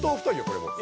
これもう。